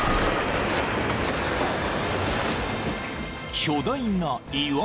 ［巨大な岩が］